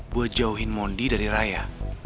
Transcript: buat jauhin mondi dari raya